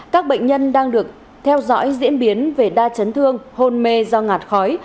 các bệnh nhân đang được theo dõi diễn biến về đa chấn thương hôn mê do ngạt khói